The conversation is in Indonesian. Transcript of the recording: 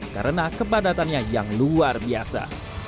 karena kepadatannya yang luar biasa